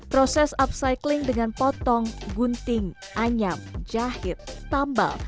proses upcycling dengan potong gunting anyam jahit tambal